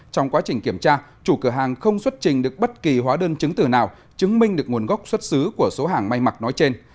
trong quá trình kiểm tra chủ cửa hàng không xuất trình được bất kỳ hóa đơn chứng từ nào chứng minh được nguồn gốc xuất xứ của số hàng may mặc nói trên